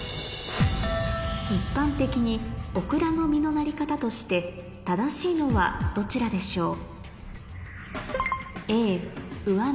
一般的にオクラの実のなり方として正しいのはどちらでしょう？